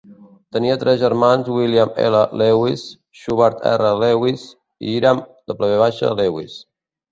Tenia tres germans, William L. Lewis, Shubael R. Lewis i Hiram W. Lewis.